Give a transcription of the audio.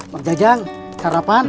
pak jajang sarapan